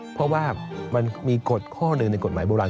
เพราะว่ามีความละเอียดข้อหนึ่งในกฎหมายโบราณ